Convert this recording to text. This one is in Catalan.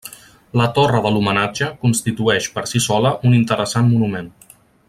La torre de l'homenatge constitueix per si sola un interessant monument.